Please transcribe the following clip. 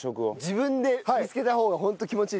自分で見つけた方がホント気持ちいいから。